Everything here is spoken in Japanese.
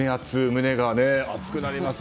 胸が熱くなります。